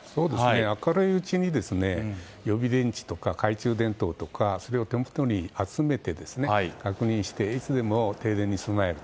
明るいうちに予備電池とか懐中電灯を手元に集めて確認して、いつでも停電に備える。